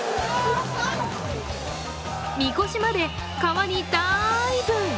みこしまで川にダーイブ！